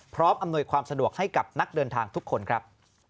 อำนวยความสะดวกให้กับนักเดินทางทุกคนครับ